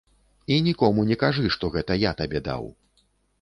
І нікому не кажы, што гэта я табе даў.